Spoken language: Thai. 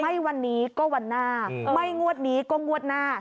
ไม่วันนี้ก็วันหน้าไม่งวดนี้ก็งวดหน้า